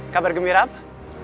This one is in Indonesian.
kabar gembira apa